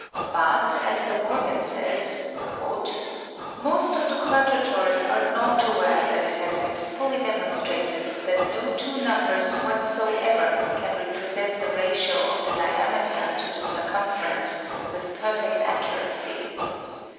But, as De Morgan says, " most of the quadrators are not aware that it has been fully demonstrated that no two numbers whatsoever can represent the ratio of the diameter to the circumference, with perfect accuracy.